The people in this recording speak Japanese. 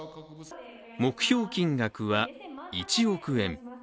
目標金額は１億円。